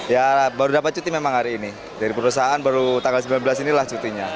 ya baru dapat cuti memang hari ini dari perusahaan baru tanggal sembilan belas inilah cutinya